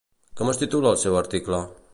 Com es titula el seu article?